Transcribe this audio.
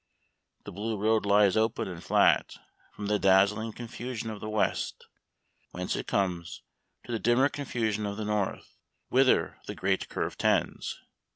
The blue road lies open and flat, from the dazzling confusion of the west, whence it comes, to the dimmer confusion of the north, whither the great curve tends.